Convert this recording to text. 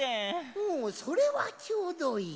ほうそれはちょうどいい！